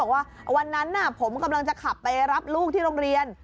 ว่าวันนั้นผมกำลังจะขับไปรับลูกที่โรงเรียน